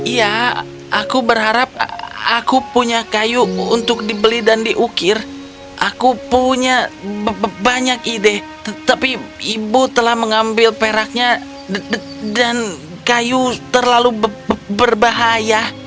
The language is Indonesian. ya aku berharap aku punya kayu untuk dibeli dan diukir aku punya banyak ide tetapi ibu telah mengambil peraknya dan kayu terlalu berbahaya